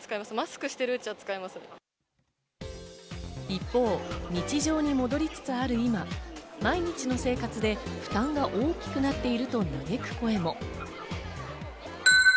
一方、日常に戻りつつある今、毎日の生活で負担が大きくなっていると嘆く声も。